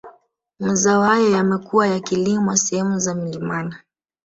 Mazao hayo yamekuwa yakilimwa sehemu za milimani